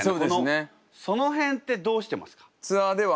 その辺ってどうしてますか？